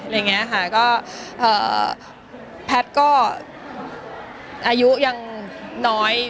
อะไรอย่างเงี้ยค่ะก็เอ่อแพทย์ก็อายุยังน้อย